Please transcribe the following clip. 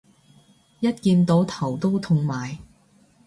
一見到頭都痛埋